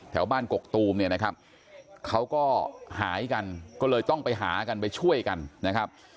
แถวบ้านกกตูมเนี่ยนะครับเขาก็หายกันก็เลยต้องไปหากันไปช่วยกันนะครับ